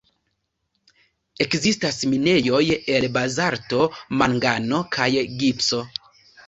Ekzistas minejoj el bazalto, mangano kaj gipso.